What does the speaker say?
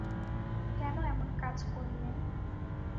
কেন এমন কাজ করলেন?